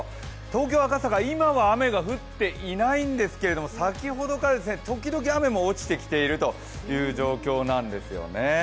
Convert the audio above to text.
東京・赤坂、今は雨は降っていないんですけれども先ほどから時々雨も落ちてきているという状況なんですよね。